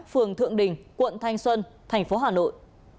phường thượng đình quận thanh xuân thành phố hà nội